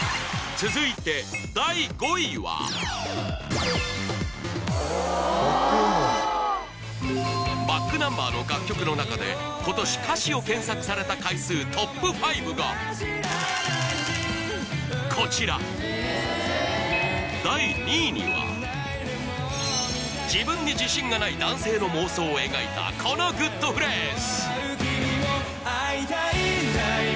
続いて第５位はｂａｃｋｎｕｍｂｅｒの楽曲の中で今年歌詞を検索された回数ＴＯＰ５がこちら第２位には自分に自信がない男性の妄想を描いたこのグッとフレーズ